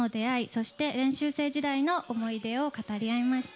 そして、練習生時代の思い出を語り合いました。